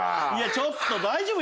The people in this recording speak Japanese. ちょっと大丈夫？